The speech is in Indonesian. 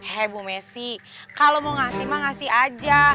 he bu messi kalau mau ngasih mah ngasih aja